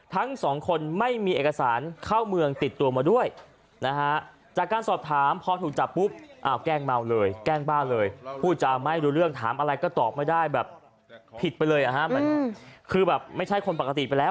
ทั้งสองคนไม่มีเอกสารเข้าเมืองติดตัวมาด้วยนะฮะจากการสอบถามพอถูกจับปุ๊บอ้าวแกล้งเมาเลยแกล้งบ้าเลยพูดจาไม่รู้เรื่องถามอะไรก็ตอบไม่ได้แบบผิดไปเลยอ่ะฮะมันคือแบบไม่ใช่คนปกติไปแล้ว